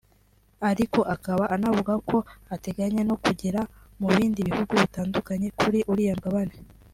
ariko akaba anavuga ko ateganya no kugera mu bindi bihugu bitandukanye kuri uriya mugabane